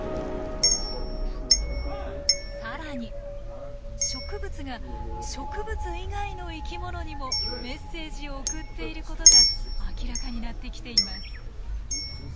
更に植物が植物以外の生き物にもメッセージを送っていることが明らかになってきています。